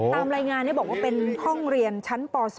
ตามรายงานบอกว่าเป็นห้องเรียนชั้นป๒